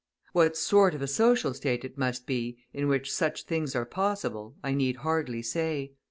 What sort of a social state it must be in which such things are possible I need hardly say.